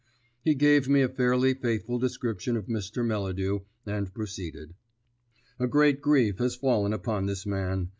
He gave me a fairly faithful description of Mr. Melladew, and proceeded: "A great grief has fallen upon this man.